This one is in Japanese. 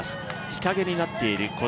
日陰になっている